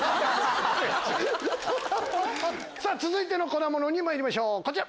さぁ続いての粉ものにまいりましょうこちら。